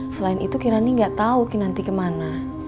selain itu kirani gak tau kinanti kemana